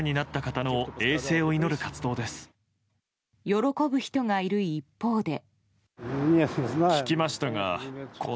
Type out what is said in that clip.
喜ぶ人がいる一方で。